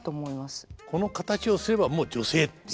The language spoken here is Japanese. この形をすればもう女性っていう？